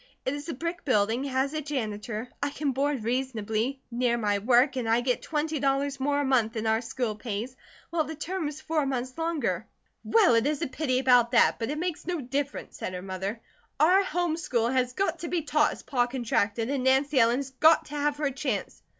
"It is a brick building, has a janitor, I can board reasonably, near my work, and I get twenty dollars more a month than our school pays, while the term is four months longer." "Well, it is a pity about that; but it makes no difference," said her mother. "Our home school has got to be taught as Pa contracted, and Nancy Ellen has got to have her chance."